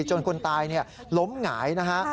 คนตายล้มหงายนะฮะ